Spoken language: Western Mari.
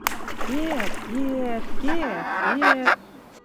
Кеӓт, кеӓт, кеӓт, кеӓт